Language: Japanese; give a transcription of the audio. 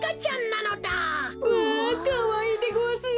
うわかわいいでごわすな！